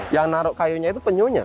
yang naruh kayunya itu penyunya